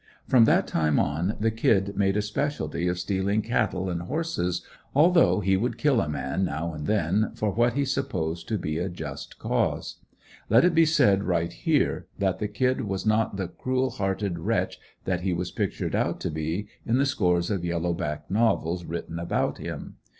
From that time on, the "Kid" made a specialty of stealing cattle and horses, although he would kill a man now and then, for what he supposed to be a just cause. Let it be said right here that the "Kid" was not the cruel hearted wretch that he was pictured out to be in the scores of yellow back novels, written about him.